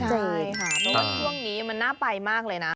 ใช่ค่ะเพราะว่าช่วงนี้มันน่าไปมากเลยนะ